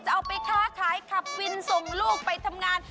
เอาไปค้าขายขับวินส่งลูกไปทำงาน